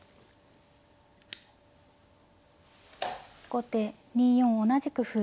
後手２四同じく歩。